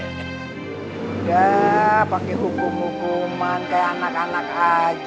udah pake hukum hukuman kayak anak anak aja